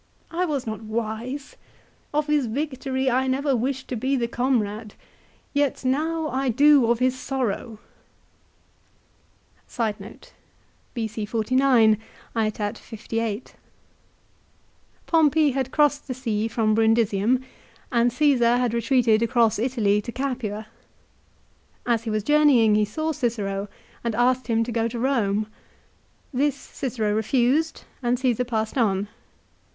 I was not wise. Of his victory I never wished to be the comrade, yet now I do of his sorrow." 2 Pompey had crossed the sea from Brundisium and Caesar B c 49 ^ a( ^ Created across Italy to Capua. As he was setat. 58. j ourne ying he saw Cicero, and asked him to go to Eome. This Cicero refused, and Caesar passed on.